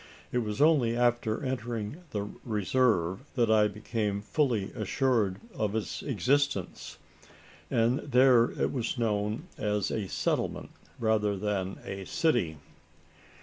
It was only after entering the Reserve, that I became fully assured of its existence; and there it was known as a "settlement" rather than a "city."